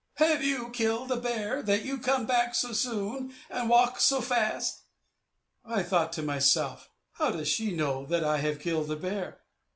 "Have you killed a bear, that you come back so soon, and walk so fast?" I thought to myself, "How does she know that I have killed a bear?"